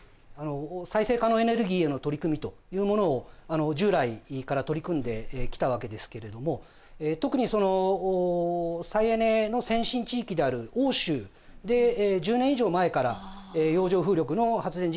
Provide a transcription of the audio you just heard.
再生可能エネルギーへの取り組みというものを従来から取り組んできたわけですけれども特に再エネの先進地域である欧州で１０年以上前から洋上風力の発電事業にも取り組んできております。